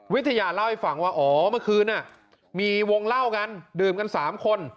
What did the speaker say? วิทยาเล่าให้ฟังว่าอ๋อเมื่อคืนมีวงเล่ากันดื่มกัน๓คน